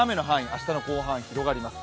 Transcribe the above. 明日の後半は広がります。